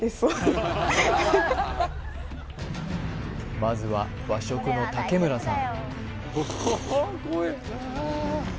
まずは和食の竹村さん